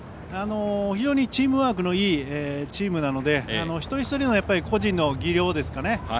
非常にチームワークのよいチームなので一人一人の個人の技量ですかね。